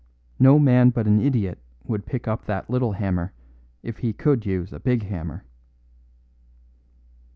No man but an idiot would pick up that little hammer if he could use a big hammer."